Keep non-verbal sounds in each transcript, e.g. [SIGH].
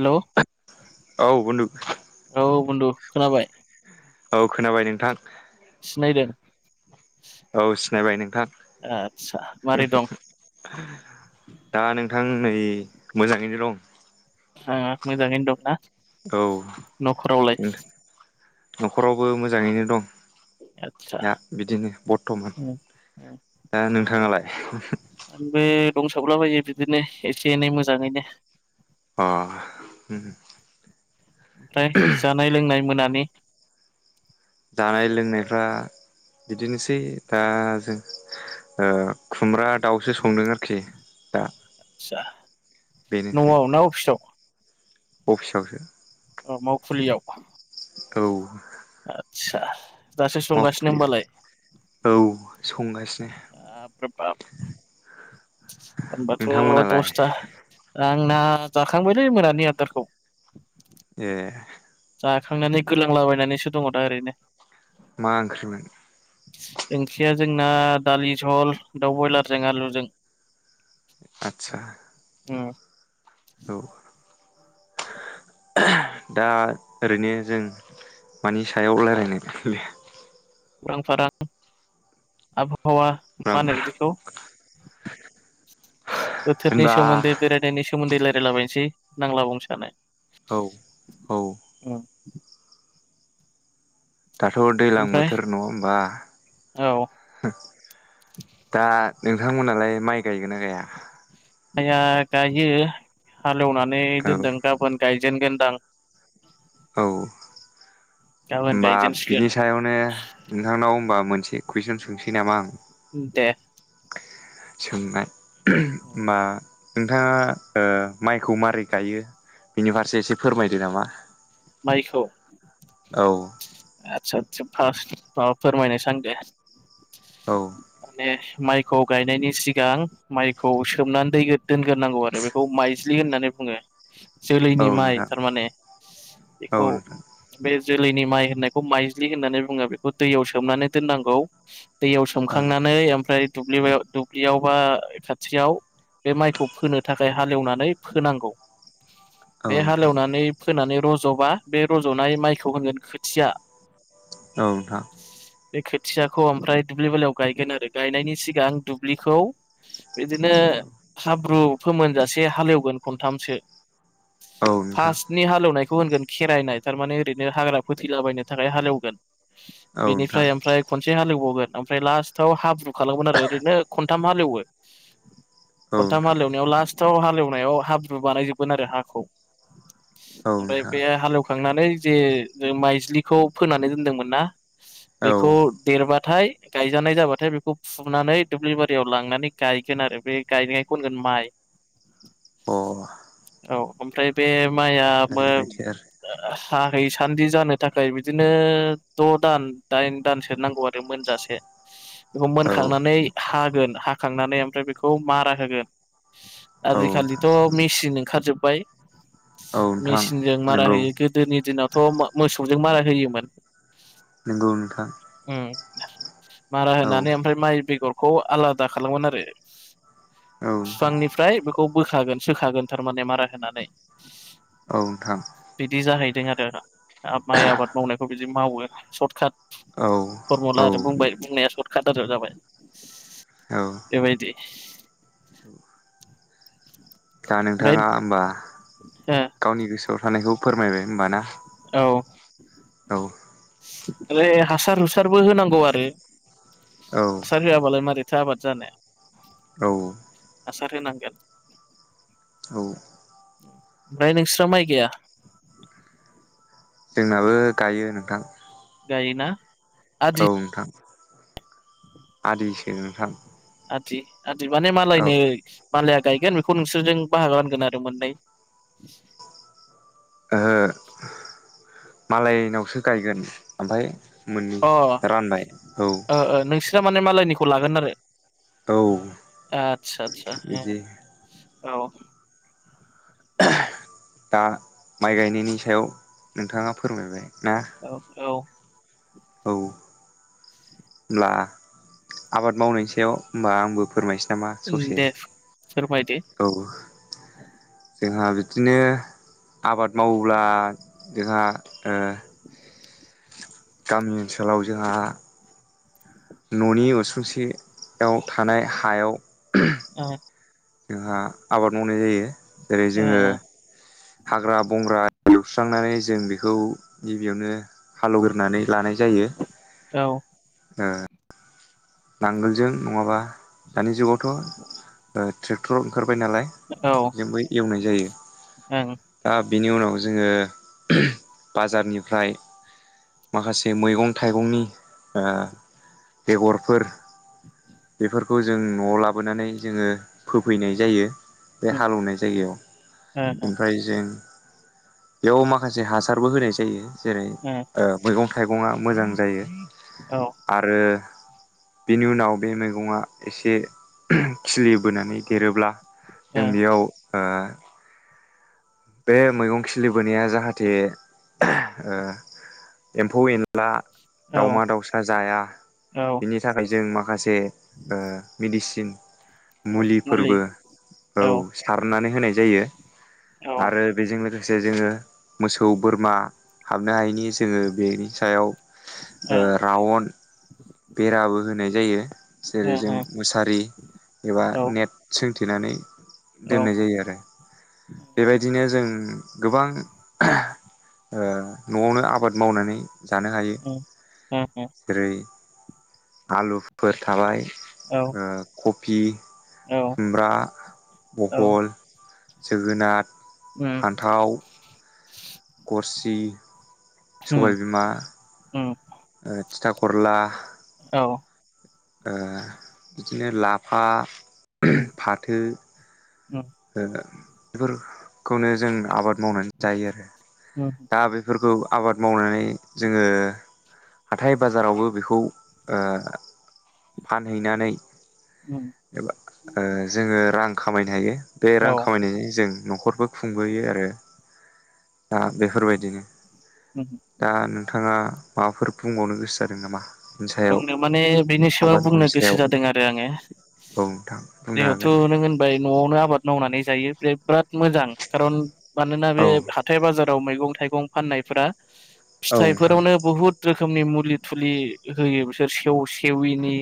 Hello. औ बुन्दु बुन्दु खोनाबाय? औ खोनाबाय नोंथां। सिनायदों? औ सिनाइबाय नोंथां। आदसा मारै दं [INAUDIBLE] दा नोंथां नै मोजाङैनो दं। हो मोजाङैनो दंना? औ न'खरावलाय नोंथ नखरावबो मोजाङैनो दं। आदसा दा बिदिनो बरथमान। दा नोंथाङालाय? आंबो दंसाबलाबायो बिदिनो एसे एनै मोजाङैनो। अ [INAUDIBLE] ओमफ्राय जानाय लोंनाय मोनान नि जानाय लोंनायफ्रा बिदिनोसै दा जों। ओ खुमब्रा दाउसो संदों आरखि दा। आदसा नवाव ना अफिसाव? अफिसाव सो। औ मावखुलियाव। औ। आतसा। मावखुलियाव औ संगासिनो। बाब रा बाब होमबाथ नोंथांमोनालाय दसथा आ आंना जाखांबायलै मोनानि आदार खौ। एह। जाखांनानै गोलांला बायनानैसो दङ दा ओरैनो। मा ओंख्रिमोन। ओंख्रिया जोंना दालि जहल दाउ बयलारजों आलुजों। आदसा। उम। औ। ओह दा ओरैनो जों। मानि सायाव रायलायनाय लो। उरां फारां आबहावा रां मा होनो भारा बिदिखौ बोथोरनि होनबा सोमोन्दै बेरायनायनि सोमोन्दै रायलायलाबायनोसै नांला बुं सानो औ औ दाथ' दैलां ओमफ्राय बोथोर नङा होमबा औ दा नोंथांमोनहालाय माइ गायगोन ना गाया आइया गायो हालेवनानै औ दोनदों गाबोन गाय जेनगोनदां औ। होमबा गायजेनसिगोन बिनि सायावनो नोंथांनाव होनबा मोनसे कुइसन सोंसै नामा आं? दे। सोंनाय होमबा नोंथाङा ओ माइखौ मारै गायो? बिनि फारसे एसे फोरमायदो नामा। माइखौ औ [UNINTELLIGIBLE] पास माबा फोरमायनो सान दे औ माने [UNINTELLIGIBLE] माइखौ गायनायनि सिगां माइखौ सोमनानै दोनग्रोनांगौ आरो बेखौ माइ ज्लि होननानै बुङो औ जोलैनि माइ नोंथां थारमाने औ बेखौ नोंथां बे जोलैनि माइ होननायखौ माइज्लि होननानै बुङो बेखौ दैयाव सोमनानै दोननांगौ दैयाव औ सोमखांनानै ओमफ्राय दुब्लि दुब्लियाव बा खाथियाव बे माइखौ फोनो थाखाय हालेवनानै फोनांगौ औ बे नोंथां हालेवनानै फोनानै रज रज'बा बे रज'नाय माइखौ होनगोन खोथिया औ नोंथां बे खोथियाखौ ओमफ्राय दुब्लि बालियाव गायगोन आरो गायनायनि सिगां आं दुब्लिखौ बिदिनो हाब्रु फोमोनजासे हालेवगोन खनथामसो औ नोंथां औ नोंथां फासटनि हालेवनाय बेखौ होनगोन खेरायनाय थारमाने ओरैनो हाग्रा फोथैलाबायनो थाखाय हालेवगोन औ बेनिफ्राय ओमफ्राय खनसे हालेवबावगोन ओमफ्राय लास्टाव हाब्रु खालामगोन आरो ओरैनो खनथाम ह खथाम नोंथां हालेवनायाव लासथ याव हालेवनायाव हाब्रु बानायजोबगोन आरो हाखौ औ ओमफ्राय नोंथां बे हालेवखांनानै जे माइज्लि खौ फोन्नानै दोनदोंमोना बेखौ औ देरबा थाय गायजानाय जाबाथाय बेखौ फुनानै दुब्लि बारियाव लांनानै गायगोन आरो बे गायनाय खौ होनगोन माइ अ'। औ ओमफ्राय बे माइआ ओरैबायदि आरो हाहै सान्दि जानो थाखाय बिदिनो द' दान दाइन दानसो नांगौ आरो मोनजासे। बेखौ औ मोनखांनानै हागोन हाखांनानै ओमफ्राय बेखौ मारा होगोन। औ आजिखालिथ' मेसिन ओंखारजोबबाय। नोंथां मेचिनजों मारा नंगौ होयो गोदोनि दिनावथ' मोसौजों मारा होयोमोन। नंगौ नोंथां। उम मारा औ होनानै ओमफ्राय माइ बेगरखौ आलादा खालामगोन आरो नोंथां बिफांनिफ्राय बेखौ बोखागोन सोखागोन थारमाने मारा होनानै। औ नोंथां बिदि जाहैदों आरो माइ आबाद मावनायखौ बिदि मावो सर्ट काट। औ फरमुला औ आरो बुंबाय बुंनाया सर्टकाट आरो जाबाय औ बेबायदि दा ओमफ्राय नोंथाङा होमबा गावनि गोसोआव थानायखौ फोरमायबाय होमबा ना? औ। औ। ओरै हासार हुसारबो होनांगौ आरो औ हासार होआबालाय मा रैथो आबाद जानो औ हासार होनांगोन। औ ओमफ्राय नोंस्रा माय गायया? जोंनाबो गायो नोंथां। गायो ना? औ नोंथां आदिसो नोंथां। आदि आदि माने औ मालायनो मालाया गायगोन बेखौ नोंसोरजों बाहागो रानगोन आरो मोननै। ओहो। मालायनावसो गायगोन ओमफ्राय मोननै अ ओ रानबाय औ ओ नोंस्राना माने मालायनिखौ लागोन आरो। औ। आतसा आतसा बिदि उम्म औ। दा माइ गायनायनि सायाव नोंथाङा फोरमायबाय। ना औ औ। औ होनब्ला आबाद मावनायनि सायाव होनोमबा आंबो फोरमायसै नामा उम ससे दे फोरमायदो औ जोंहा बिदिनो आबाद मावोब्ला जोंहा ओ गामि ओनसोलाव जोंहा न'नि उसुंसेयाव थानाय हायाव ओ जोंहा आबाद मावनाय जायो जेरै ओ जोङो हाग्रा बंग्रा एउस्रांनानै जों बेखौ गिबियावनो हालेवग्रोनानै लानाय जायो। औ। ओ नांगोलजों नङाबा दानि जुगावथ' ओ ट्रेक्टर ओंखार बाय नालाय औ ओं बेजोंबो एवनाय जायो दा बेनि उनाव जोङो बाजारनिफ्राय माखासे मैगं थाइगंनि ओ बेगर फोर बेफोरखौ जों न'आव लाबोनानै जोङो फोफैनाय जायो। बे उम हालेवनाय जायगायाव ओमफ्राय जों बेयाव माखासे हासारबो होनाय जायो जेरै ओ मैगं थाइगंङा मोजां जायो ओ आरो बेनि उनाव बे मैगङा एसे खिलिबोनानै देरोब्ला जों बेयाव ओ बे मैगं खिलिबोनाया जाहाथे ओ एम्फौ ए ला ओ औ ओ दावमा- दाउसा जाया औ बिनि थाखाय जों मा माखासे ओ मेडिसिन औ मुलि मुलिफोरबो औ सारनानै होनाय जायो ओ जे जोङो मोसौ बोरमा हाबनो हायिनि जोङो बेनि सायाव ओ रावन बेराबो होनाय जायो जेरै जों मुसारि एबा नेट सोंथेनानै ओ दोन्नाय जायो आरो बेनो जों गोबां ओ न'आवनो आबाद मावनानै जानो हायो औ उम जेरै आलुफोर थाबाय ओ कबि, ओ औ खुमब्रा, बहल जोगोनाथ उ गरसि, उम सबायबिमा उम थिथा करला औ ओ बिदिनो लाफा, उम फाथो उम ओ बेफोरखौनो जों आबाद मावनानै जायो उम दा बेफोरखौ आबाद मावनानै जोङो हाथाइ बाजारावबो बेखौ ओ फानहैनानै उम एबा ओ जोङो रां खामायनो हायो बे औ रां खामायनायजों जों न'खरबो खुंबोयो आरो दा बेफोरबायदिनो हुम हुम दा नोंथाङा माबाफोर बुंबावनो गोसो जादों नामा बेनि सायाव बुंनो माने बिनि सायाव आबाद बुंनो मावनायनि गोसो सायाव जादों आरो आङो औ नोंथां बुंनो जेहथ' हागोन नों होनबाय न'आवनो आबाद मावनानै जायो बे बिराद मोजां खारन मानोना औ बे हाथाय बाजार आव मैगं- थाइगं फाननायफोरा औ नोंथां फिथाइफोरावनो बुहुत रोखोमनि मुलि- थुलि होयो बिसोर सेव सेविनि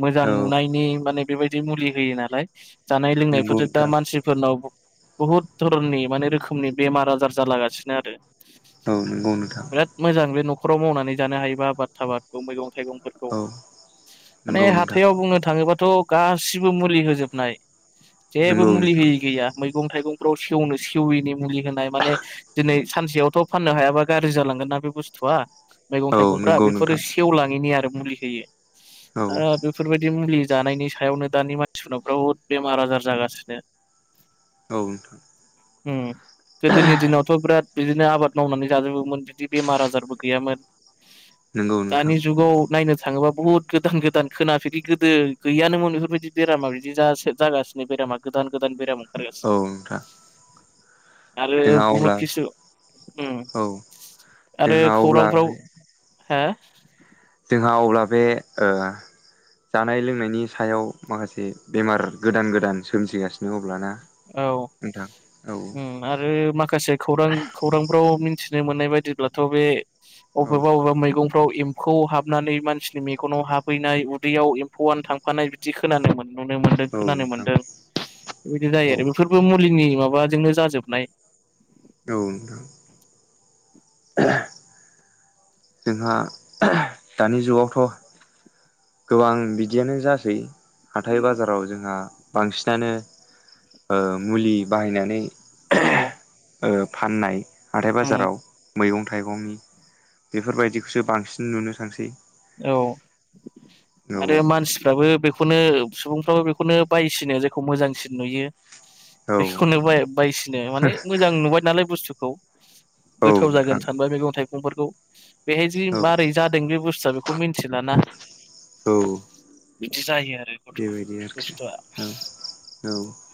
मोजां औ नुनायनि माने बेबायदि मुलि होयो नालाय जानाय नंगौ लोंनायफोरजों दा नोंथां मानसिफोरनाव बुहुत धरननि माने रोखोमनि बेमार आजार जालागासिनो आरो औ नोंगौ नोंथां बिराद मोजां बे न'खराव मावनानै जानो हायोबा आबाद थाबादखौ मैगं- थाइगंखौ थाइगंफोरखौ औ माने नंगौ नोंथां हाथायाव बुंनो थाङोबा थ' गासिबो मुलि होजोबनाय जेबो नंगौ मुलि नोंथां होयि गैया मैगं मैगं - थाइगंफ्राव सेवनो सेविनि मुलि होनाय माने दिनै सानसेयावथ' फाननो हायाबा गाज्रि जालांगोन ना बे बुस्थुआ मैगं औ थाइगंफ्रा नंगौ बेफोर नोंथां नि आरो मुलि औ होयो ओ बेफोरबायदि मुलि जानायनि सायावनो दानि मानसिफोराव बिराद बेमार -आजार जागासिनो औ नोंथां उम गोदोनि दिनावथ' बिराद बिदिनो आबाद मावनानै जाजोबोमोन बिदि बेमार आजारबो गैयामोन नोंगौ दानि जुगाव नायनो थाङोबा बुहुत गोदान गोदान खोनाफेरि गोदो गैयानोमोन बेफोरबायदि बेरामा बिदि जासो जागासिनो बेराम मा गोदान गोदान बेराम ओंखार औ नोंथां आरो जोंहा बहुत अब्ला किसु उम औ आरो जोंहा अब्ला बे खौरांफोराव हा हा अब्ला बे ओ जानाय लोंनायनि सायाव माखासे बेमार गोदान गोदान सोमजिगासिनो अब्लाना औ नोंथां औ उम आरो माखासे खौरां खौरांफोराव मिथिनो मोननाय बायदिब्लाथ' बे औ अबेबा अबेबा मैगं फाव एम्फौ हाबनानै मानसिनि मेगनाव हाबहैनाय उदैयाव एम्फौआनो थांफानाय बिदि खोनानो मोनो नुनो मोनदों औ खोनानो नोंथां मोनदों बेबायदि जायो औ आरो बेफोरबो मुलिनि माबा जोंनो जाजोबनाय औ नोंथां [UNINTELLIGIBLE] जोंहा दानि जुगावथ' गोबां बिदियानो जासै हाथाइ उम बाजाराव जोंहा बांसिनानो ओ मुलि बाहायनानै औ ओ फाननाय हाथाइ उम बाजाराव मैगं थाइगंनि बेफोरबायदिखौसो बांसिन नुनो थांसै औ आरो औ मानसिफ्राबो बेखौनो सुबुंफ्राबो बेखौनो बायसिनो जायखौ मोजांसिन नुयो औ बेखौनो बाय बायसिनो माने मोजां नुबाय नालाय बुस्थुखौ औ गोथाव जागोन नोंथां सानबाय मैगं थाइगंफोरखौ बेहाय जि औ मारै जादों बे बुस्थुआ बे खौ मिनथिला ना। औ बिदि जायो आरो गथ' बेबायदि आरोखि बुस्थुआ औ औ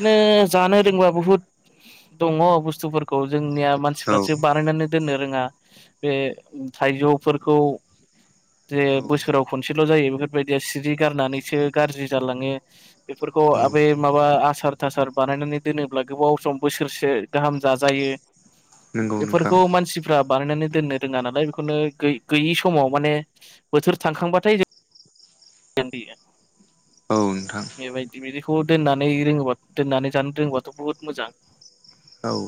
दिनो जानो रोंबा बुहुत दङ बुस्थुफोरखौ जों निया मानसिफ्रासो बानायनानै दोननो रोङा बे थाइजौफोरखौ जे औ औ बोसोराव खनसेल' जायो बेफोरबायदिया सिरि गारनानैसो गारजि जालाङो बेफोर खौ औ आबे माव बा आसार थासार बानायनानै दोनोब्ला गोबाव सम बोसोरसे गाहाम जाजायो। नंगौ नोंथां बेफोरखौ मानसिफ्रा बानायनानै दोननो रोङा नालाय बेखौनो गै-गैयि समाव माने बोथोर थांखांबाथाय औ [UNINTELLIGIBLE] नोंथां बेबायदि बिदिखौ दोननानै रोङोबा दोननानै जानो रोङोबाथ' बुहुद मोजां। [INAUDIBLE] औ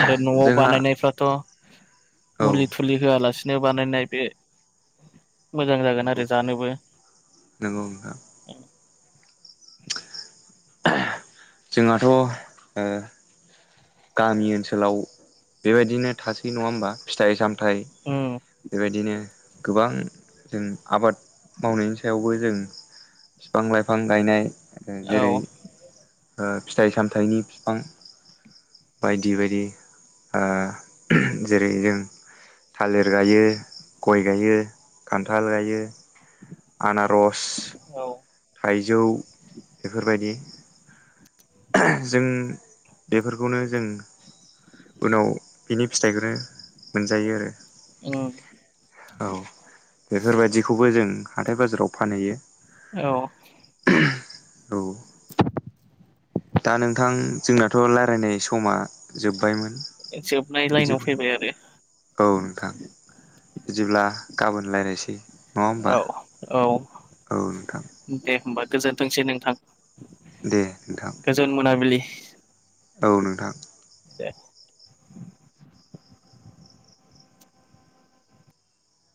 आरो न'आव जोंहा बानायनायफ्राथ' औ मुलि थुलि होआलासिनो बानायनाय बे मोजां जागोन नंगौ आरो जानोबो। [INAUDIBLE] नंगौ नोंथां जों हाथ' गामि ओनसोलाव बेबायदिनो थासै नङा होमबा फिथाइ साम थाइ उम बेबायदिनो गोबां जों आबाद मावनायनि सायावबो जों फिफां लाइफां गायनाय ओ औ जेरै फिथाइ ओ सामथाइनि फिफां बायदि बायदि ओ जेरै जों थालिर गायो गय गायो खान्थाल गायो आनारस औ। थाइजौ बेफोरबायदि जों बेफोरखौनो जों उनाव बिनि फिथाइखौनो मोनजायो आरो। उम। औ बेफोरबायदिखौबो जों हाथाय बाजाराव फानहैयो। औ औ। दा नोंथां जोंनाथ' लायरायनाय समा जोबबायमोन। जोबनाय लाइनाव फैबाय आरो। औ नोंथां बिदिब्ला गाबोन लायरायसै। औ औ नोंथां दे होमबा। गोजोनथोंसै नोंथां दे नोंथां गोजोन मोनाबिलि। औ नोंथां। दे।